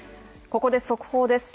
ここで速報です